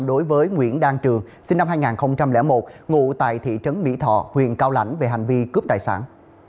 đối với nguyễn đăng trường sinh năm hai nghìn một ngụ tại thị trấn mỹ thọ huyện cao lãnh về hành vi cướp tài sản